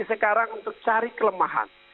sekarang untuk cari kelemahan